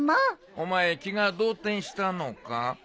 お前気が動転したのか。